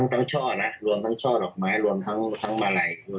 ทั้งช่อนะรวมทั้งช่อดอกไม้รวมทั้งมาลัยด้วย